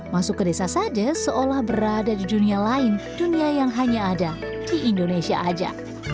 masuk ke desa sade seolah berada di dunia lain dunia yang hanya ada di indonesia saja